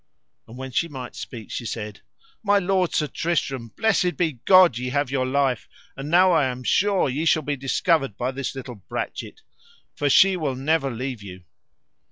And when she might speak she said: My lord Sir Tristram, blessed be God ye have your life, and now I am sure ye shall be discovered by this little brachet, for she will never leave you.